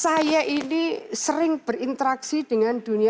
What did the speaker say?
saya ini sering berinteraksi dengan pak dande